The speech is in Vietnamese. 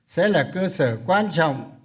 sẽ là cơ sở quan trọng